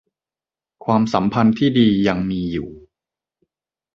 ความสัมพันธ์ที่ดียังมีอยู่